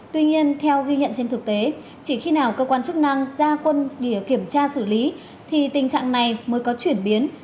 tuy nhiên theo ghi nhận trên thực tế chỉ khi nào cơ quan chức năng ra quân kiểm tra xử lý thì tình trạng này mới có chuyển biến